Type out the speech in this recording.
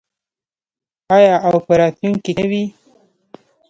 آیا او په راتلونکي کې نه وي؟